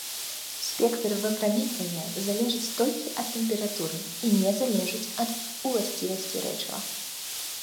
Спектр выпраменьвання залежыць толькі ад тэмпературы і не залежыць ад уласцівасцей рэчыва.